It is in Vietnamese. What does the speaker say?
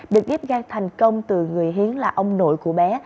được ghép gan thành công từ người hiến là ông nội của bé